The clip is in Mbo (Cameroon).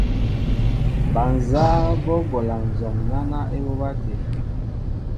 Bal nzáá bɔ́ bola nzɔm náná ébobá tê.